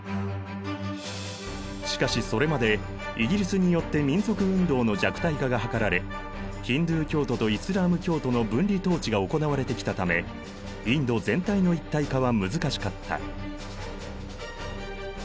しかしそれまでイギリスによって民族運動の弱体化が図られヒンドゥー教徒とイスラーム教徒の分離統治が行われてきたためインド全体の一体化は難しかった。